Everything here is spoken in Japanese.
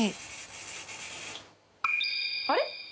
あれ？